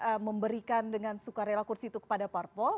karena memang selama ini kan pak jokowi juga diberikan kursi itu kepada parpol